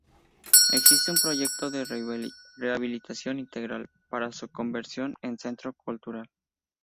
Existe un proyecto de rehabilitación integral para su conversión en un centro cultural.